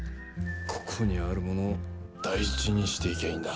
ここにあるものを大事にしていきゃいいんだ。